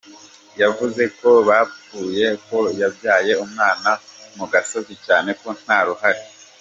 Yavuze ko batapfuye ko yabyaye umwana mu gasozi cyane ko nta n’uhari.